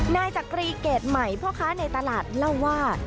นายจักรีเกรดใหม่พ่อค้าในตลาดเล่าว่า